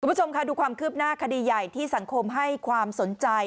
คุณผู้ชมค่ะดูความคืบหน้าคดีใหญ่ที่สังคมให้ความสนใจ